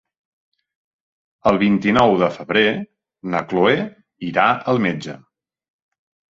El vint-i-nou de febrer na Chloé irà al metge.